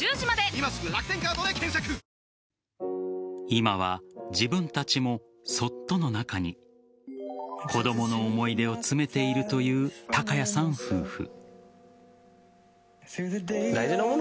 今は自分たちもＳｏｔｔｏの中に子供の思い出を詰めているという貴也さん夫婦。